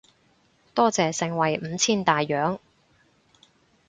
多謝盛惠五千大洋